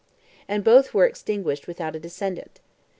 And both were extinguished without a descendant.